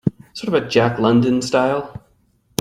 Sort of a Jack London style?